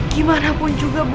gimanapun juga bu